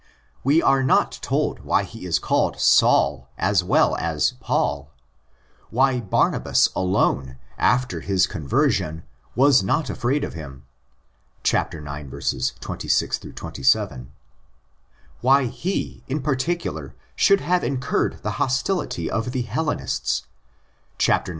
We are not told why he is called Saul as well as Paul; why Barnabas alone, after his conversion, was not afraid of him (ix. 26 27); why he: 94 THE ACTS OF THE APOSTLES in particular should have incurred the hostility of the Hellenists (ix.